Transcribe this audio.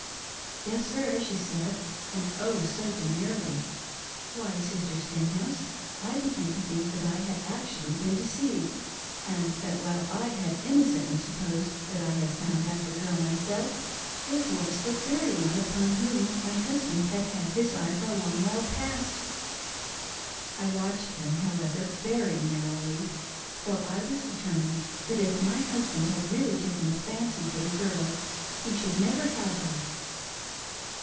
"' Yes, sir,' she said, and, oh, so demurely. Why, Sister Stenhouse, I began to think that I had actually been deceived, and that while I had innocently supposed that I had found out the girl myself, it was the very one upon whom my husband had had his eye for a long while past. I watched them, however, very narrowly, for I was determined that if my husband had really taken a fancy for the girl he should never have her."